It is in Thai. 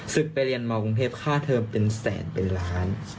ศึกไปเรียนมภพค่าเทอมเป็นแสนเป็นล้าน